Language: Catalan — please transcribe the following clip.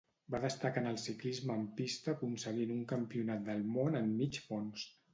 Va destacar en el ciclisme en pista aconseguint un Campionat del món en Mig Fons.